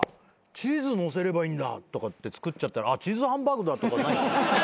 チーズのせればいい」って作っちゃったら「チーズハンバーグだ」とかない？